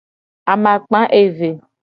Amakpa eve.